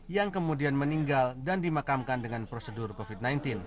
yang kemudian meninggal dan dimakamkan dengan prosedur covid sembilan belas